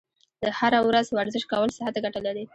هره ورځ ورزش کول صحت ته ګټه لري.